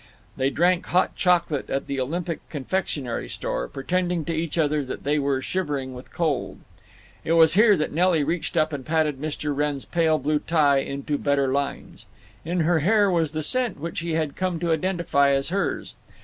They drank hot chocolate at the Olympic Confectionery Store, pretending to each other that they were shivering with cold. It was here that Nelly reached up and patted Mr. Wrenn's pale blue tie into better lines. In her hair was the scent which he had come to identify as hers.